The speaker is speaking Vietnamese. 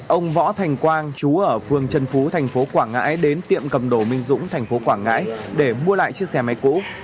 ông quang trú ở phường trần phú thành phố quảng ngãi đến tiệm cầm đồ minh dũng thành phố quảng ngãi để mua lại chiếc xe máy cũ